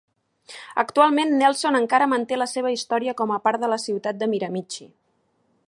Actualment, Nelson encara manté la seva història com a part de la ciutat de Miramichi.